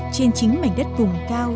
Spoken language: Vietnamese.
trên chính mảnh đất vùng cao